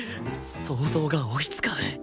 想像が追いつかん